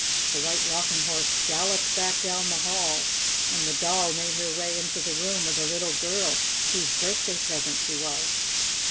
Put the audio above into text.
The White Rocking Horse galloped back down the hall, and the Doll made her way into the room of the little girl whose birthday present she was.